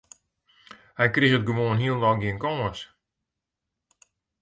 Hy kriget gewoan hielendal gjin kâns.